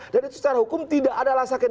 dan itu secara hukum tidak adalah sakit